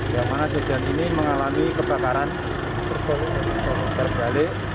yang mana sebagian ini mengalami kebakaran terbalik